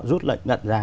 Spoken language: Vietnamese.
rút lệnh gận ra